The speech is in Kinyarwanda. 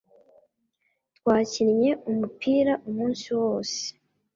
Twakinnye umupira umunsi wose.